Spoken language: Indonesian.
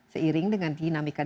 seiring dengan dinamika